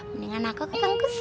mendingan aku ke kang kusoy